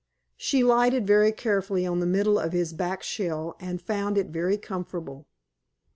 She lighted very carefully on the middle of his back shell and found it very comfortable.